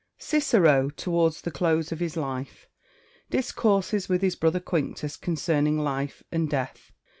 [Cicero, towards the close of his life, discourses with his brother Quinctus concerning life and death.